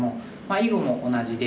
囲碁も同じで。